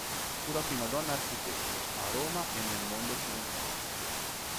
Fu la prima donna architetto a Roma e nel mondo occidentale.